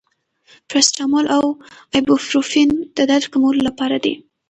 پاراسټامول او ایبوپروفین د درد کمولو لپاره دي.